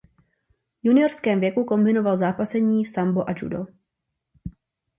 Juniorském věku kombinoval zápasení v sambo a judo.